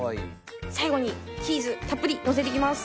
最後にチーズたっぷりのせていきます。